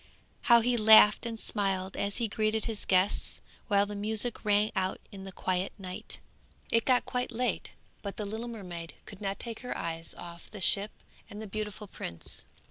how he laughed and smiled as he greeted his guests, while the music rang out in the quiet night. It got quite late, but the little mermaid could not take her eyes off the ship and the beautiful prince.